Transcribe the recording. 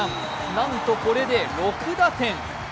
なんとこれで、６打点。